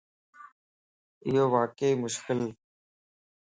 ايو واقعي مشڪلَ